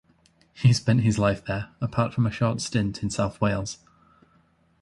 He spent his life there, apart from a short stint in South Wales.